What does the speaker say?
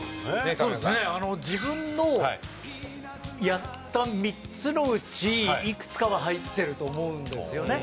神谷：自分のやった３つのうちいくつかは入ってると思うんですよね。